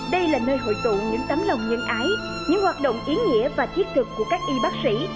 đây là nơi hội tụ những tấm lòng nhân ái những hoạt động ý nghĩa và thiết thực của các y bác sĩ